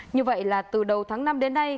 như vậy là từ đầu tháng năm đến nay